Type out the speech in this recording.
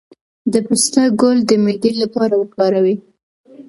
د پسته ګل د معدې لپاره وکاروئ